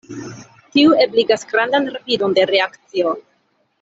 Tiu ebligas grandan rapidon de reakcio.